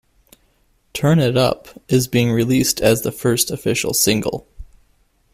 "Turn It Up" is being released as the first official single.